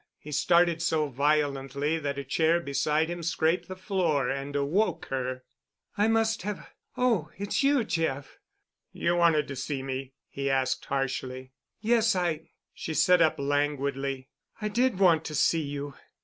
He started so violently that a chair beside him scraped the floor and awoke her. "I must have—oh—it's you, Jeff——" "You wanted to see me?" he asked harshly. "Yes—I——" She sat up languidly. "I did want to see you.